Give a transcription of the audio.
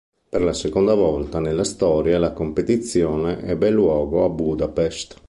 Per la seconda volta nella storia la competizione ebbe luogo a Budapest.